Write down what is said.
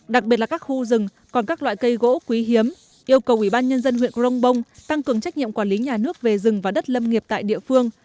đặc biệt là các khu rừng còn các loại cây gỗ quý hiếm yêu cầu ủy ban nhân dân huyện crong bông tăng cường trách nhiệm quản lý nhà nước về rừng và đất lâm nghiệp tại địa phương